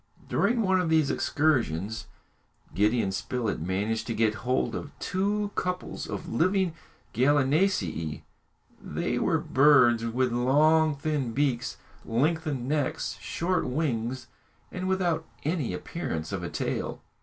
During one of these excursions, Gideon Spilett managed to get hold of two couples of living gallinaceæ. They were birds with long, thin beaks, lengthened necks, short wings, and without any appearance of a tail.